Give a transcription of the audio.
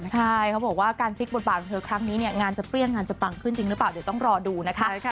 ใช่เขาบอกว่าการฟิกบทบาทของเธอครั้งนี้เนี่ยงานจะเปรี้ยงงานจะปังขึ้นจริงหรือเปล่าเดี๋ยวต้องรอดูนะคะ